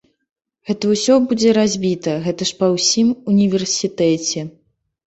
Гэта ўсё будзе разбіта, гэта ж па ўсім універсітэце.